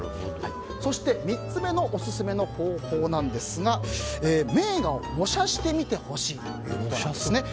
そして、３つ目のオススメの方法なんですが名画を模写してみてほしいということなんです。